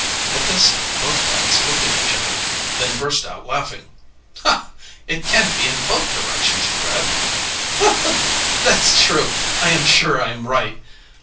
At this both lads looked at each other, then burst out laughing. "It can't be in both directions, Fred." "That's true, and I am sure I am right."